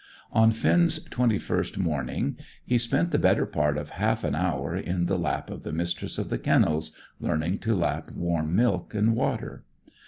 On Finn's twenty first morning he spent the better part of half an hour in the lap of the Mistress of the Kennels, learning to lap warm milk and water.